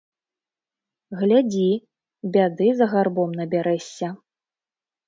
Глядзі, бяды з гарбом набярэшся.